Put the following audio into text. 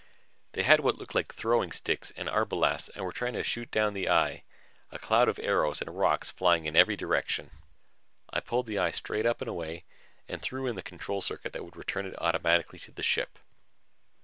They had what looked like throwing sticks and arbalasts and were trying to shoot down the eye, a cloud of arrows and rocks flying in every direction. I pulled the eye straight up and away and threw in the control circuit that would return it automatically to the ship.